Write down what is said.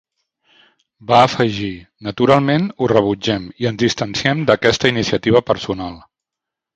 Va afegir, Naturalment ho rebutgem i ens distanciem d"aquesta iniciativa personal.